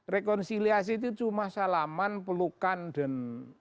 rekonsiliasi itu cuma salaman pelukan dan